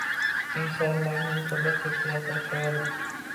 Eng saralarini esa bir chetga yashirib qo‘yadi